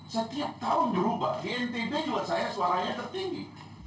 setiap tahun dirubah di ntb juga saya suaranya tertinggi